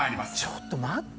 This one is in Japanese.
ちょっと待って。